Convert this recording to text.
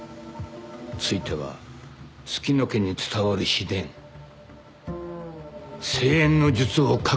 ついては月乃家に伝わる秘伝生延の術をかけてもらいたい。